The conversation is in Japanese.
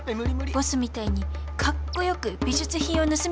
ボスみたいにかっこよく美術品を盗みたいんです。